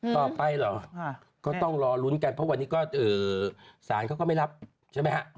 ต่อไปเหรอก็ต้องรอลุ้นกันเพราะวันนี้ก็สารเขาก็ไม่รับใช่ไหมฮะ